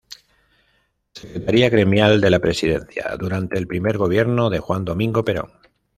Secretaria gremial de la Presidencia durante el primer gobierno de Juan Domingo Perón.